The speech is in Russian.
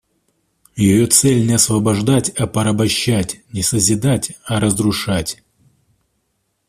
Ее цель не освобождать, а порабощать, не созидать, а разрушать.